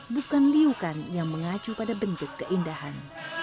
bukan liukan yang mengacu pada bentuk keindahan